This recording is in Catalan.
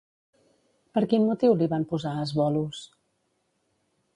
Per quin motiu li van posar Asbolus?